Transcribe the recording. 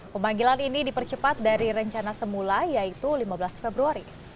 pemanggilan ini dipercepat dari rencana semula yaitu lima belas februari